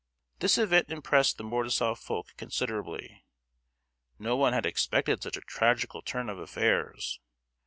This event impressed the Mordasof folk considerably. No one had expected such a tragical turn of affairs.